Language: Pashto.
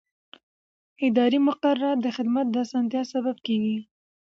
اداري مقررات د خدمت د اسانتیا سبب کېږي.